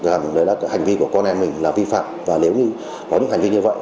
rằng hành vi của con em mình là vi phạm và nếu như có những hành vi như vậy